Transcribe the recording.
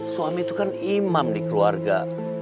suami itu kan imam di keluarga